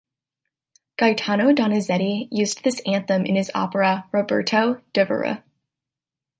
Gaetano Donizetti used this anthem in his opera "Roberto Devereux".